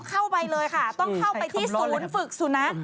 เข้าไปเลยค่ะต้องเข้าไปที่ศูนย์ฝึกสุนัข